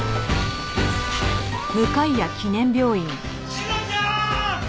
志乃ちゃーん！